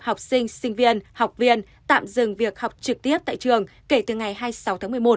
học sinh sinh viên học viên tạm dừng việc học trực tiếp tại trường kể từ ngày hai mươi sáu tháng một mươi một